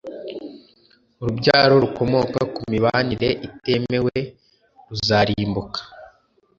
urubyaro rukomoka ku mibanire itemewe, ruzarimbuka